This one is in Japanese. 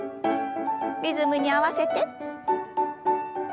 リズムに合わせて。